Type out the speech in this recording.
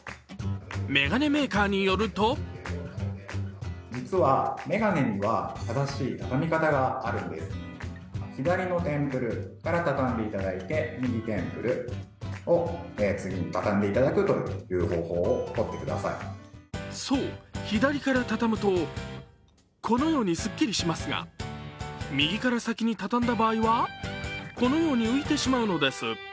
眼鏡メーカーによるとそう、左からたたむとこのようにすっきりしますが右から先に畳んだ場合はこのように浮いてしまうんです。